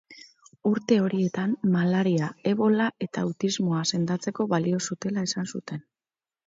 Urte horietan, malaria, ebola eta autismoa sendatzeko balio zutela esan zuten.